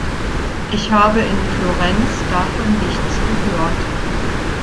Ich habe in Florenz davon nichts gehört.